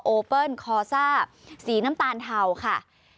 โอเปิ้ลคอซ่าสีน้ำตาลเทาค่ะ